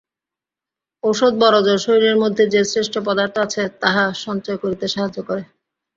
ঔষধ বড়জোর শরীরের মধ্যে যে শ্রেষ্ঠ পদার্থ আছে, তাহা সঞ্চয় করিতে সাহায্য করে।